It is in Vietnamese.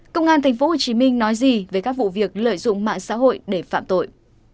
công an tp hcm nói gì về các vụ việc lợi dụng mạng xã hội để phạm tội